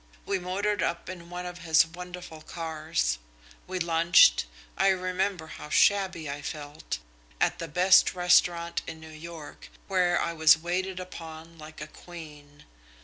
We motored up in one of his wonderful cars. We lunched I remember how shabby I felt at the best restaurant in New York, where I was waited upon like a queen.